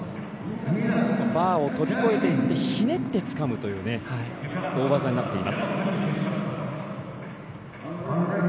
バーを飛び越えていってひねってつかむという大技になっています。